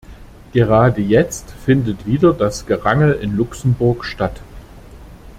Gerade jetzt findet wieder das Gerangel in Luxemburg statt.